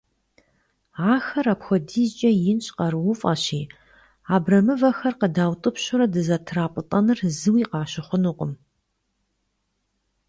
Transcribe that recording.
Ахэр апхуэдизкӀэ инщ, къарууфӀэщи, абрэмывэхэр къыдаутӀыпщурэ дызэтрапӀытӀэныр зыуи къащыхъунукъым.